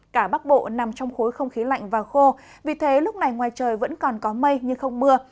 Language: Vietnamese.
cả bắc bộ nằm trong khối không khí lạnh và khô vì thế lúc này ngoài trời vẫn còn có mây nhưng không mưa